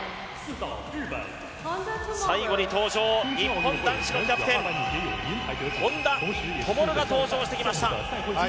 最後に登場、日本男子のキャプテン本多灯が登場してきました。